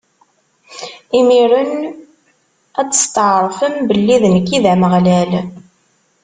Imiren ad testɛeṛfem belli d nekk i d Ameɣlal.